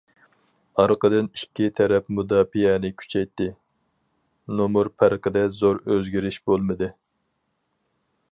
ئارقىدىن ئىككى تەرەپ مۇداپىئەنى كۈچەيتتى، نومۇر پەرقىدە زور ئۆزگىرىش بولمىدى.